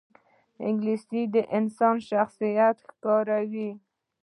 انګلیسي د انسان شخصیت ښکاروي